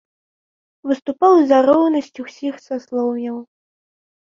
Выступаў за роўнасць усіх саслоўяў.